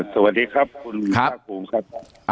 สวัสดีครับคุณภาคภูมิครับ